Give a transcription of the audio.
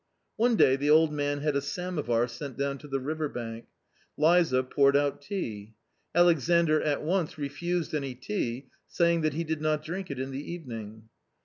One day the old man had a samovar sent down to the river bank. Liza poured out tea. Alexandr at once refused any tea, saying that he did not drink it in the evening.